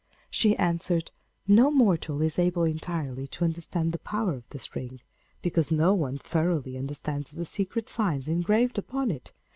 She answered, 'No mortal is able entirely to understand the power of this ring, because no one thoroughly understands the secret signs engraved upon it.